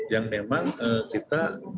yang memang kita